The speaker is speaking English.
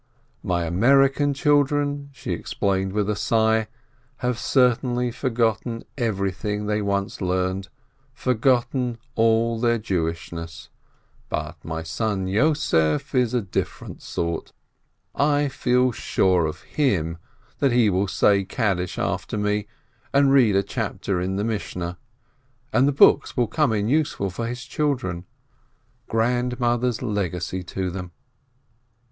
"My American children" — she explained with a sigh — "have certainly forgotten everything they once learned, for gotten all their Jewishness! But my son Yossef is a different sort; I feel sure of him, that he will say Kaddish after me and read a chapter in the Mishnah, and the books will come in useful for his children — Grandmother's legacy to them."